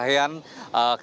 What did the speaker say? kedua yang ditemukan adalah